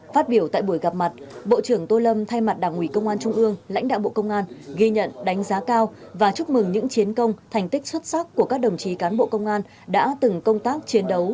phát biểu tại buổi gặp mặt bộ trưởng tô lâm thay mặt đảng ủy công an trung ương lãnh đạo bộ công an ghi nhận đánh giá cao và chúc mừng những chiến công thành tích xuất sắc của các đồng chí cán bộ công an đã từng công tác chiến đấu